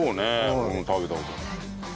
俺も食べた事ない。